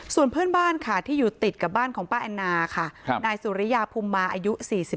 ส่วนเพื่อนบ้านค่ะที่อยู่ติดกับบ้านของป้าแอนนาค่ะนายสุริยาภูมิมาอายุ๔๒